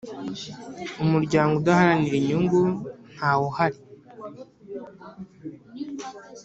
Umuryango udaharanira inyungu ntawuhari.